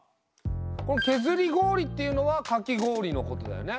この削り氷っていうのはかき氷のことだよね？